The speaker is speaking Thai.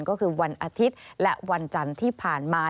ก็คือวันอาทิตย์และวันจันทร์ที่ผ่านมา